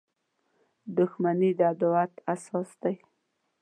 • دښمني د عداوت اساس دی.